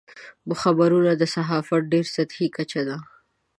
خبرونه د صحافت ډېره سطحي کچه ده.